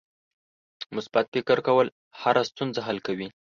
مثبت فکر کول هره ستونزه حل کوي.